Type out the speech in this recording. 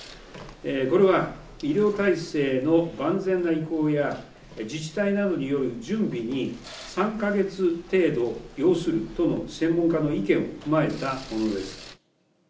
これは、医療体制の万全な移行や、自治体などによる準備に３か月程度要するとの専門家の意見を踏まえたものです。